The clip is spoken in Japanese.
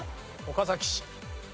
岡崎市。